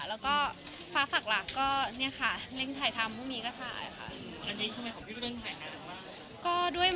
แล้วก็รวมค์ฟ้าฝรรกของก๋อเนี่ยค่ะเร่งถ่ายทำวันนี้กันไหม